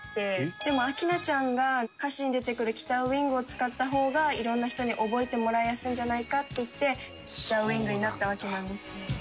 でも明菜ちゃんが歌詞に出てくる“北ウイング”を使った方がいろんな人に覚えてもらいやすいんじゃないかっていって『北ウイング』になったわけなんです」